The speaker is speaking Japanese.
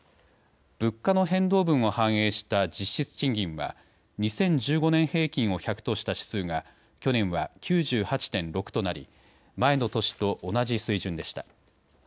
物価の変動分を反映した実質賃金は２０１５年平均を１００とした指数が去年は９８．６となり前の年と同じ水準でした。